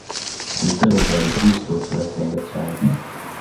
Mu itorero rya gikristo turasenga cyane